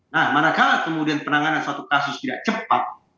nah manakala kemudian penanganan suatu kasus tidak cepat